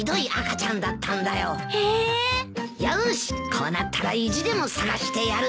こうなったら意地でも探してやる。